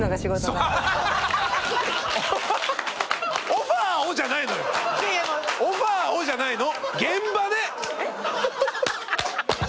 オファーをじゃないの。